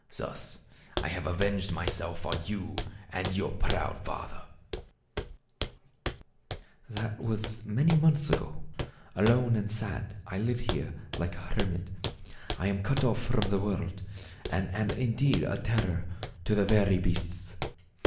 Thus have I avenged myself on you and your proud father/ " That was many months ago. Alone and sad I live here like a hermit. I am cut off from the world, and am indeed a terror to the very beasts